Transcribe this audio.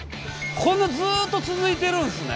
こんなずっと続いてるんすね。